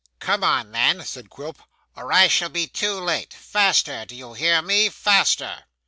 'Come on then,' said Quilp, 'or I shall be too late. Faster do you hear me? Faster.